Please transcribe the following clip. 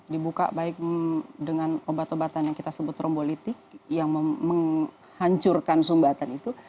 dibuka baik dengan obat obatan yang kita sebut trombolitik yang menghancurkan sumbatan itu